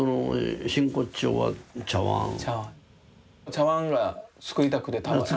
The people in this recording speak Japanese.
茶碗が作りたくてたまらない。